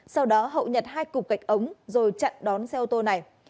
sau đó hậu nhặt hai cục gạch ống rồi chặn đón xe ô tô này